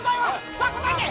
さあ答えて！